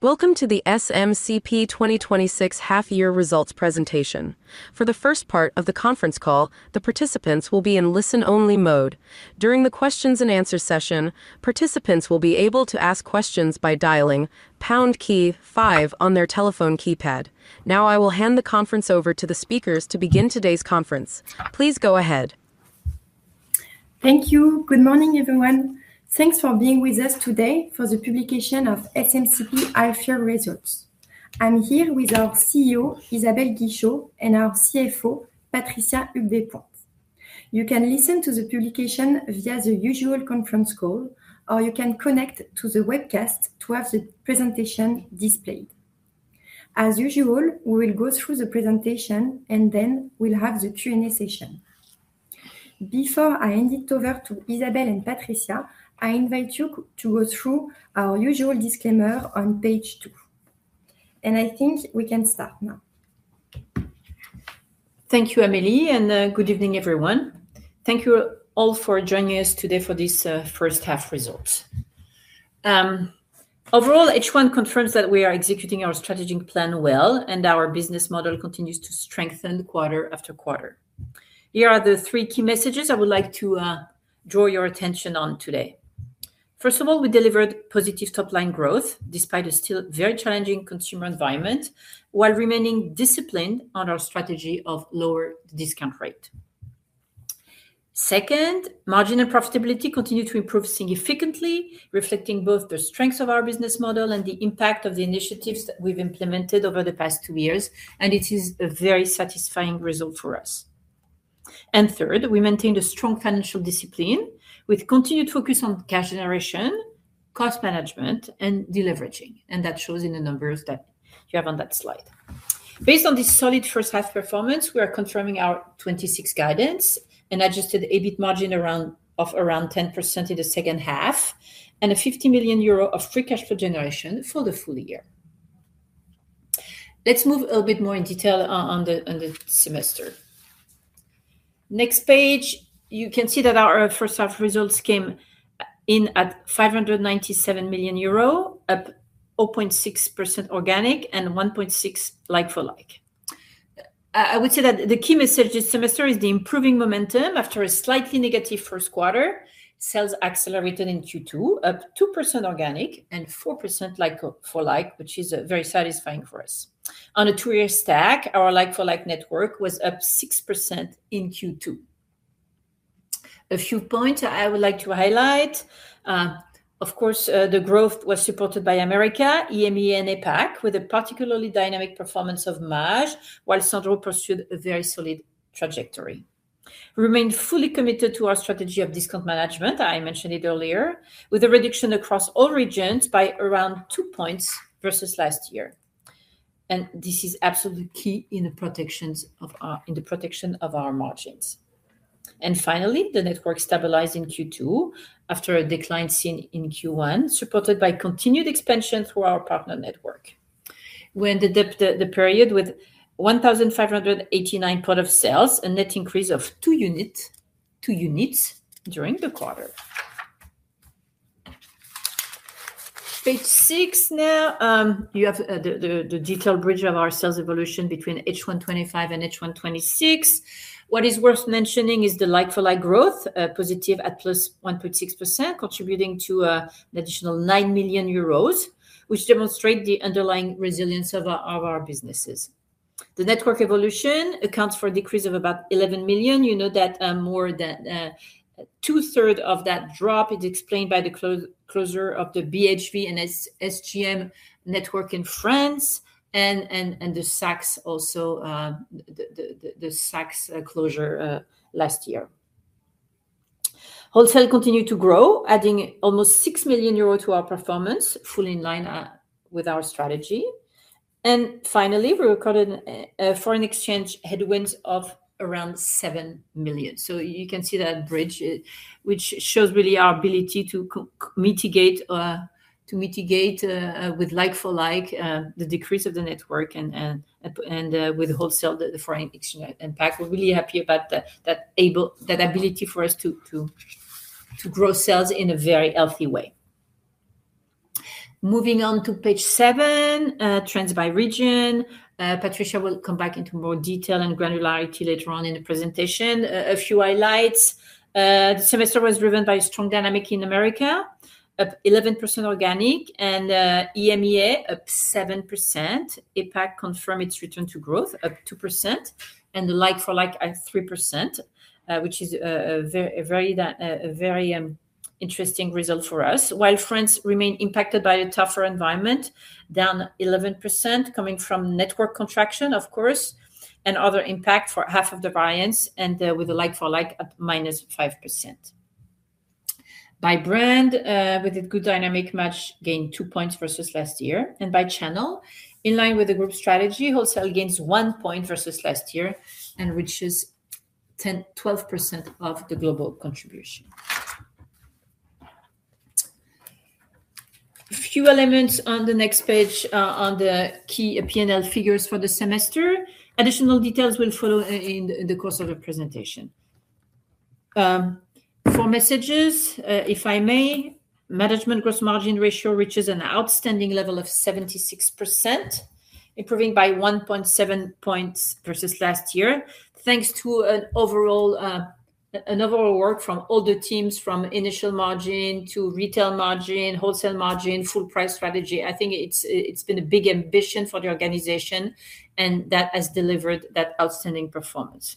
Welcome to the SMCP 2026 half-year results presentation. For the first part of the conference call, the participants will be in listen-only mode. During the questions and answer session, participants will be able to ask questions by dialing #5 on their telephone keypad. Now I will hand the conference over to the speakers to begin today's conference. Please go ahead. Thank you. Good morning, everyone. Thanks for being with us today for the publication of SMCP half-year results. I'm here with our CEO, Isabelle Guichot, and our CFO, Patricia Huyghues Despointes. You can listen to the publication via the usual conference call, or you can connect to the webcast to have the presentation displayed. As usual, we will go through the presentation and then we'll have the Q&A session. Before I hand it over to Isabelle and Patricia, I invite you to go through our usual disclaimer on page two. I think we can start now. Thank you, Amélie, and good evening, everyone. Thank you all for joining us today for these first half results. Overall, H1 confirms that we are executing our strategic plan well, and our business model continues to strengthen quarter after quarter. Here are the three key messages I would like to draw your attention on today. First of all, we delivered positive top-line growth despite a still very challenging consumer environment, while remaining disciplined on our strategy of lower discount rate. Second, marginal profitability continued to improve significantly, reflecting both the strengths of our business model and the impact of the initiatives that we've implemented over the past two years, and it is a very satisfying result for us. Third, we maintained a strong financial discipline with continued focus on cash generation, cost management, and deleveraging, and that shows in the numbers that you have on that slide. Based on this solid first half performance, we are confirming our 2026 guidance, an adjusted EBIT margin of around 10% in the second half, and a 50 million euro of free cash flow generation for the full year. Let's move a bit more in detail on the semester. Next page, you can see that our first half results came in at 597 million euro, up 0.6% organic and 1.6% like-for-like. I would say that the key message this semester is the improving momentum after a slightly negative first quarter. Sales accelerated in Q2, up 2% organic and 4% like-for-like, which is very satisfying for us. On a two-year stack, our like-for-like network was up 6% in Q2. A few points I would like to highlight. Of course, the growth was supported by America, EMEA, and APAC, with a particularly dynamic performance of Maje, while Sandro pursued a very solid trajectory. Remain fully committed to our strategy of discount management. I mentioned it earlier, with a reduction across all regions by around 2 points versus last year, and this is absolutely key in the protection of our margins. Finally, the network stabilized in Q2 after a decline seen in Q1, supported by continued expansion through our partner network. We ended the period with 1,589 points of sale, a net increase of 2 units during the quarter. Page 6 now. You have the detailed bridge of our sales evolution between H1 2025 and H1 2026. What is worth mentioning is the like-for-like growth, positive at +1.6%, contributing to an additional 9 million euros, which demonstrate the underlying resilience of our businesses. The network evolution accounts for a decrease of about 11 million. You know that more than two-thirds of that drop is explained by the closure of the BHV and SGM network in France, and the Saks closure last year. Wholesale continued to grow, adding almost 6 million euros to our performance, fully in line with our strategy. Finally, we recorded foreign exchange headwinds of around 7 million. You can see that bridge, which shows really our ability to mitigate with like-for-like, the decrease of the network and with wholesale, the foreign exchange impact. We're really happy about that ability for us to grow sales in a very healthy way. Moving on to page 7, trends by region. Patricia Huyghues Despointes will come back into more detail and granularity later on in the presentation. A few highlights. The semester was driven by strong dynamic in America, up 11% organic, and EMEA up 7%. APAC confirm its return to growth, up 2%, and like-for-like at 3%, which is a very interesting result for us. While France remain impacted by a tougher environment, down 11% coming from network contraction, of course, and other impact for half of the variance and with a like-for-like up -5%. By brand, with a good dynamic, Maje gained 2 points versus last year, and by channel, in line with the group strategy, wholesale gains 1 point versus last year and reaches 12% of the global contribution. A few elements on the next page on the key P&L figures for the semester. Additional details will follow in the course of the presentation. Four messages, if I may, management gross margin ratio reaches an outstanding level of 76%, improving by 1.7 points versus last year, thanks to an overall work from all the teams, from initial margin to retail margin, wholesale margin, full price strategy. I think it's been a big ambition for the organization, and that has delivered that outstanding performance.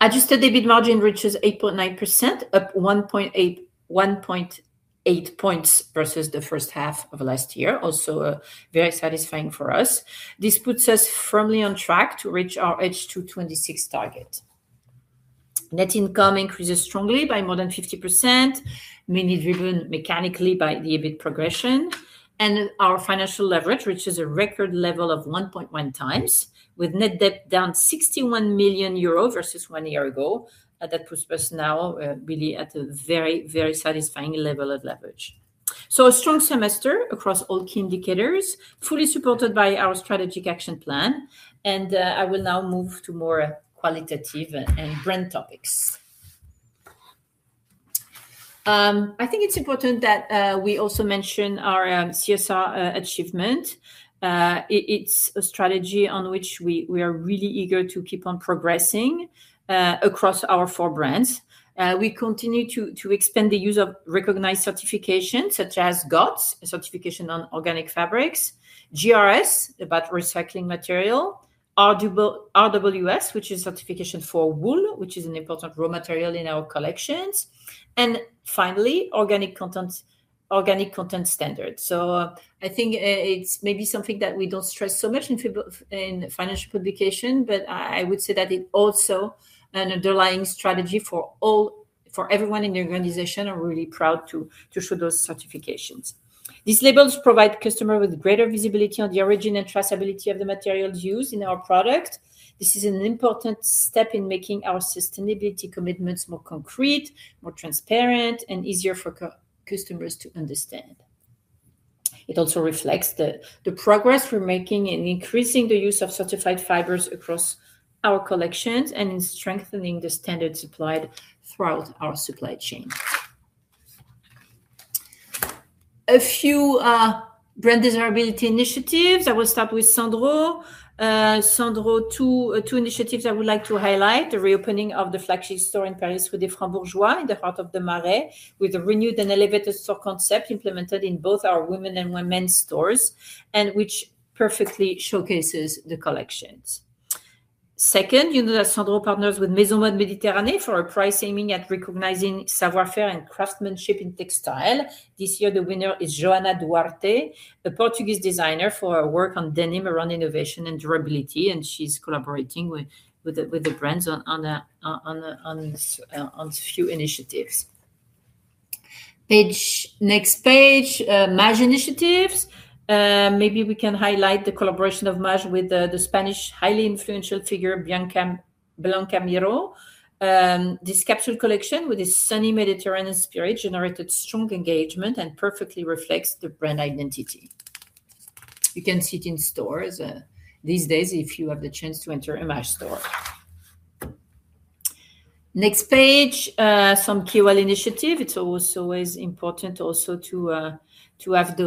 Adjusted EBIT margin reaches 8.9%, up 1.8 points versus the first half of last year. Very satisfying for us. This puts us firmly on track to reach our H2 2026 target. Net income increases strongly by more than 50%, mainly driven mechanically by the EBIT progression, and our financial leverage, which is a record level of 1.1x, with net debt down 61 million euro versus one year ago. That puts us now really at a very satisfying level of leverage. A strong semester across all key indicators, fully supported by our strategic action plan. I will now move to more qualitative and brand topics. I think it's important that we also mention our CSR achievement. It's a strategy on which we are really eager to keep on progressing across our four brands. We continue to expand the use of recognized certification such as GOTS, a certification on organic fabrics, GRS, about recycling material, RWS, which is certification for wool, which is an important raw material in our collections, and finally, Organic Content Standard. I think it's maybe something that we don't stress so much in financial publication, but I would say that it is also an underlying strategy for everyone in the organization. I'm really proud to show those certifications. These labels provide customers with greater visibility on the origin and traceability of the materials used in our products. This is an important step in making our sustainability commitments more concrete, more transparent, and easier for customers to understand. It also reflects the progress we're making in increasing the use of certified fibers across our collections and in strengthening the standards applied throughout our supply chain. A few brand desirability initiatives. I will start with Sandro. Sandro, two initiatives I would like to highlight: the reopening of the flagship store in Paris, Rue des Francs-Bourgeois, in the heart of the Marais, with a renewed and elevated store concept implemented in both our women and women's stores, which perfectly showcases the collections. Second, you know that Sandro partners with Maison Méditerranée for a prize aiming at recognizing savoir-faire and craftsmanship in textile. This year, the winner is Joana Duarte, a Portuguese designer, for her work on denim around innovation and durability, and she's collaborating with the brands on a few initiatives. Next page, Maje initiatives. Maybe we can highlight the collaboration of Maje with the Spanish highly influential figure, Blanca Miró. This capsule collection with a sunny Mediterranean spirit generated strong engagement and perfectly reflects the brand identity. You can see it in stores these days if you have the chance to enter a Maje store. Next page, some key initiatives. It's also always important to have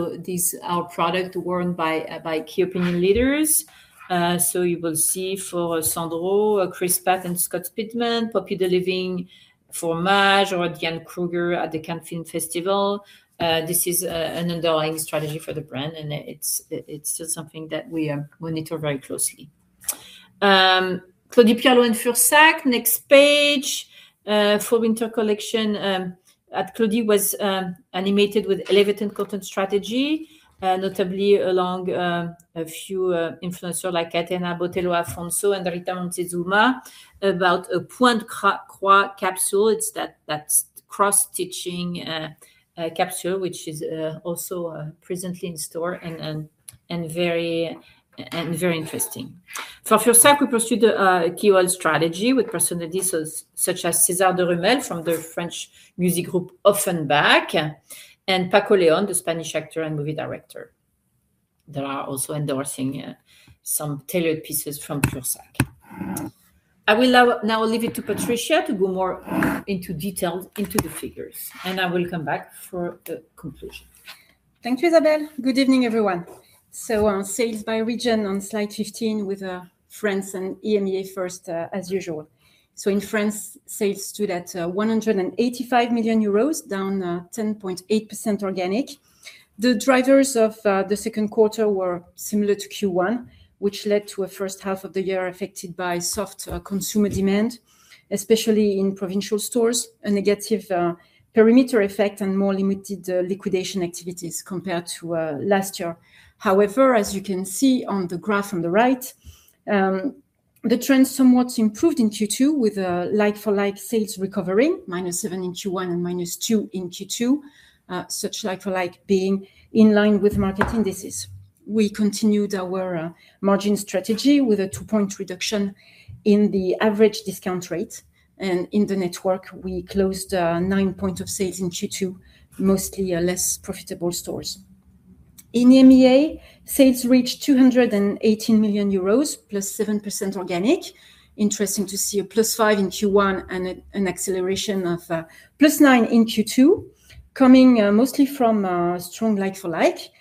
our product worn by key opinion leaders. You will see for Sandro, Chris Pratt and Scott Speedman, Poppy Delevingne for Maje, or Diane Kruger at the Cannes Film Festival. This is an underlying strategy for the brand, and it's just something that we monitor very closely. Claudie Pierlot and Fursac, next page. For the winter collection at Claudie was animated with elevated cotton strategy, notably along a few influencers like Aitana Botello-Afonso and Rita Montezuma, about a point de croix capsule. It's that cross-stitching capsule, which is also presently in store and very interesting. For Fursac, we pursued a key strategy with personalities such as César de Rummel from the French music group Ofenbach, and Paco León, the Spanish actor and movie director. They are also endorsing some tailored pieces from Fursac. I will now leave it to Patricia to go more into detail into the figures, and I will come back for the conclusion. Thank you, Isabelle. Good evening, everyone. On sales by region on slide 15 with France and EMEA first as usual. In France, sales stood at 185 million euros, down 10.8% organic. The drivers of the second quarter were similar to Q1, which led to a first half of the year affected by soft consumer demand, especially in provincial stores, a negative perimeter effect, and more limited liquidation activities compared to last year. However, as you can see on the graph on the right, the trend somewhat improved in Q2 with like-for-like sales recovering, -7% in Q1 and -2% in Q2. Such like-for-like being in line with market indices. We continued our margin strategy with a 2-point reduction in the average discount rate, and in the network, we closed nine point of sales in Q2, mostly less profitable stores. In EMEA, sales reached 218 million euros, +7% organic. Interesting to see a +5% in Q1 and an acceleration of +9% in Q2, coming mostly from strong like-for-like,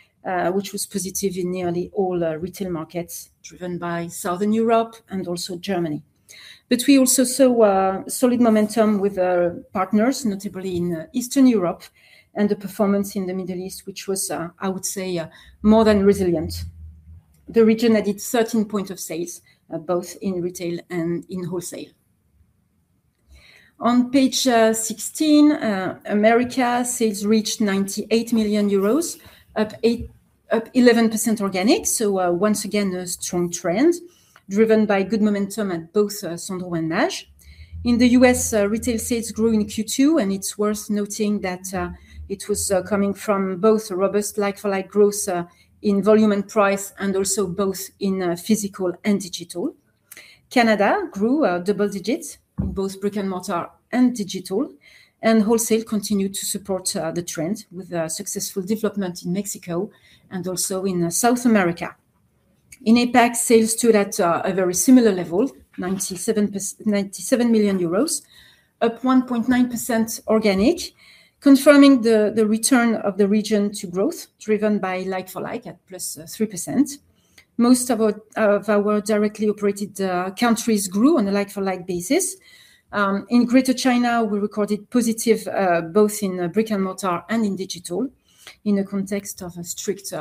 which was positive in nearly all retail markets, driven by Southern Europe and also Germany. We also saw solid momentum with our partners, notably in Eastern Europe, and the performance in the Middle East, which was, I would say, more than resilient. The region added 13 point of sales, both in retail and in wholesale. On page 16, America sales reached 98 million euros, up 11% organic. Once again, a strong trend driven by good momentum at both Sandro and Maje. In the U.S., retail sales grew in Q2, and it's worth noting that it was coming from both robust like-for-like growth in volume and price and also both in physical and digital. Canada grew double digits in both brick-and-mortar and digital. Wholesale continued to support the trend with successful development in Mexico and also in South America. In APAC, sales stood at a very similar level, 97 million euros, up 1.9% organic, confirming the return of the region to growth, driven by like-for-like at +3%. Most of our directly operated countries grew on a like-for-like basis. In Greater China, we recorded positive both in brick-and-mortar and in digital in the context of a strict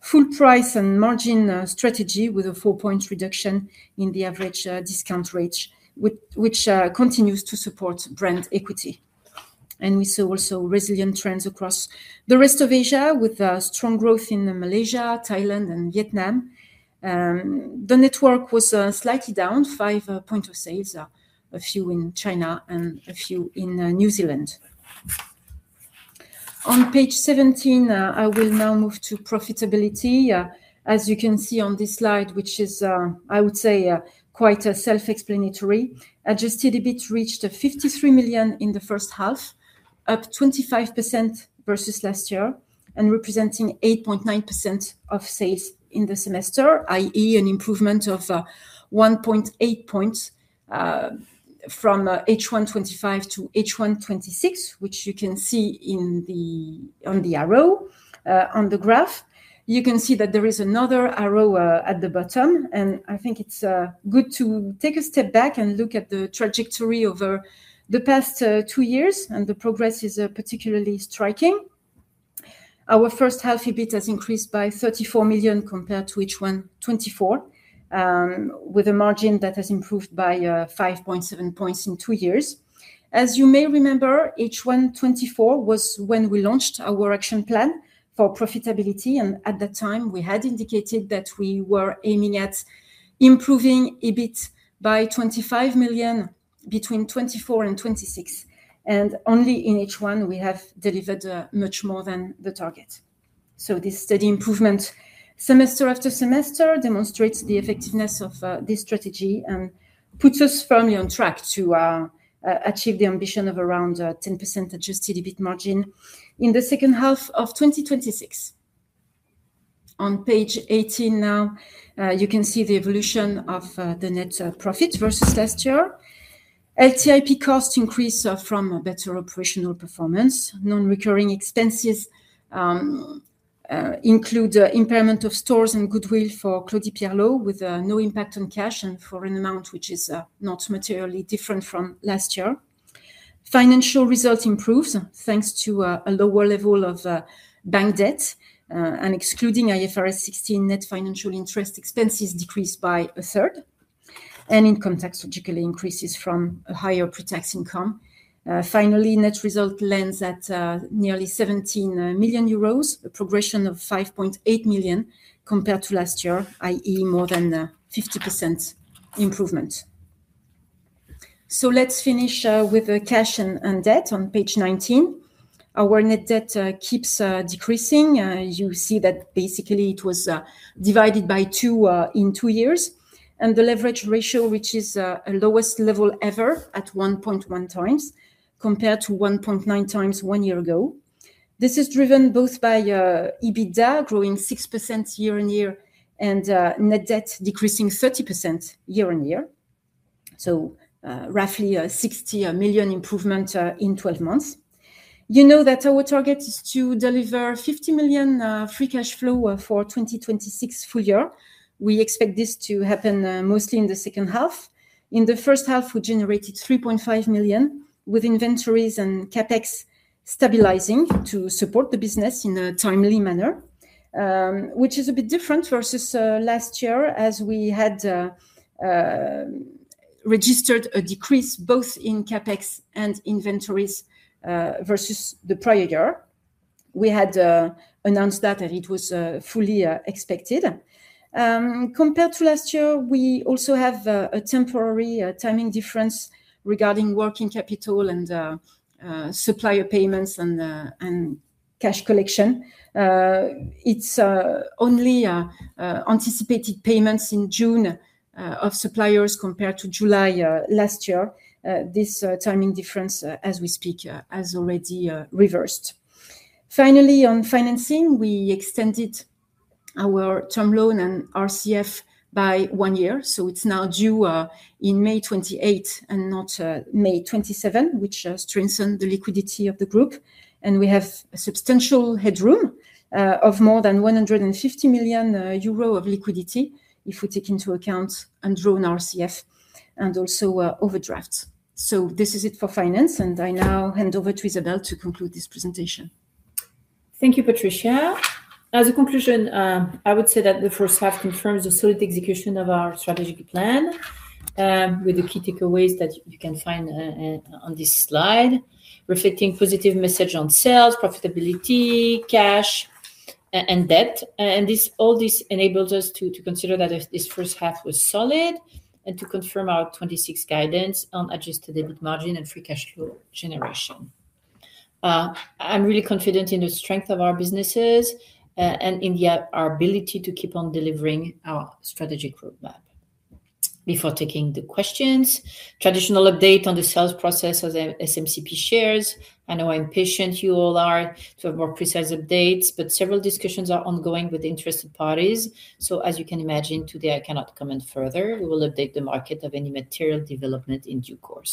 full price and margin strategy with a 4-point reduction in the average discount rate, which continues to support brand equity. We saw also resilient trends across the rest of Asia, with strong growth in Malaysia, Thailand, and Vietnam. The network was slightly down five point of sales, a few in China and a few in New Zealand. On page 17, I will now move to profitability. As you can see on this slide, which is, I would say, quite self-explanatory. Adjusted EBIT reached 53 million in the first half, up 25% versus last year and representing 8.9% of sales in the semester, i.e., an improvement of 1.8 points from H1 2025 to H1 2026, which you can see on the arrow on the graph. You can see that there is another arrow at the bottom. I think it's good to take a step back and look at the trajectory over the past two years, and the progress is particularly striking. Our first half EBIT has increased by 34 million compared to H1 2024, with a margin that has improved by 5.7 points in two years. As you may remember, H1 2024 was when we launched our action plan for profitability, and at the time, we had indicated that we were aiming at improving EBIT by 25 million between 2024 and 2026. In only H1 we have delivered much more than the target. This steady improvement semester after semester demonstrates the effectiveness of this strategy and puts us firmly on track to achieve the ambition of around 10% adjusted EBIT margin in the second half of 2026. On page 18 now, you can see the evolution of the net profit versus last year. LTIP costs increase from a better operational performance. Non-recurring expenses include impairment of stores and goodwill for Claudie Pierlot, with no impact on cash and for an amount which is not materially different from last year. Financial results improved thanks to a lower level of bank debt, and excluding IFRS 16, net financial interest expenses decreased by a third, and income tax logically increases from a higher pre-tax income. Finally, net result lands at nearly 17 million euros, a progression of 5.8 million compared to last year, i.e. more than a 50% improvement. Let's finish with cash and debt on page 19. Our net debt keeps decreasing. You see that basically it was divided by two in two years, and the leverage ratio, which is our lowest level ever at 1.1 times, compared to 1.9 times one year ago. This is driven both by EBITDA growing 6% year-over-year and net debt decreasing 30% year-over-year, so roughly a 60 million improvement in 12 months. You know that our target is to deliver 50 million free cash flow for 2026 full year. We expect this to happen mostly in the second half. In the first half, we generated 3.5 million, with inventories and CapEx stabilizing to support the business in a timely manner, which is a bit different versus last year as we had registered a decrease both in CapEx and inventories versus the prior year. We had announced that, and it was fully expected. Compared to last year, we also have a temporary timing difference regarding working capital and supplier payments and cash collection. It's only anticipated payments in June of suppliers compared to July last year. This timing difference, as we speak, has already reversed. Finally, on financing, we extended our term loan and RCF by one year, so it's now due on May 28th and not May 27, which strengthened the liquidity of the group. We have a substantial headroom of more than 150 million euro of liquidity if we take into account undrawn RCF and also overdrafts. This is it for finance, and I now hand over to Isabelle to conclude this presentation. Thank you, Patricia. As a conclusion, I would say that the first half confirms the solid execution of our strategic plan, with the key takeaways that you can find on this slide, reflecting positive message on sales, profitability, cash, and debt. All this enables us to consider that this first half was solid and to confirm our 2026 guidance on adjusted EBIT margin and free cash flow generation. I'm really confident in the strength of our businesses and in our ability to keep on delivering our strategic roadmap. Before taking the questions, traditional update on the sales process of SMCP shares. I know I'm patient, you all are, for more precise updates, several discussions are ongoing with interested parties. As you can imagine, today I cannot comment further. We will update the market of any material development in due course.